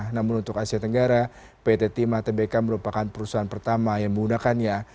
namun untuk asia tenggara pt timah tbk merupakan perusahaan pertama yang menggunakannya